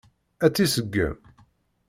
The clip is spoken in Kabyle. Ad tt-iseggem?